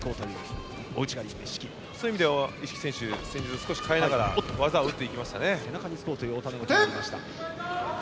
そういう意味では一色選手は戦術を変えながら技を打っていきましたね。